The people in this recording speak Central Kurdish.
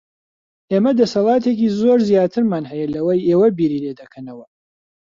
ئێمە دەسەڵاتێکی زۆر زیاترمان هەیە لەوەی ئێوە بیری لێ دەکەنەوە.